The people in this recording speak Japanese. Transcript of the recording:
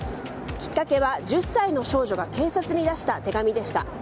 きっかけは１０歳の少女が警察に出した手紙でした。